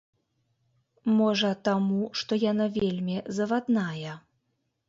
Можа, таму, што яна вельмі завадная.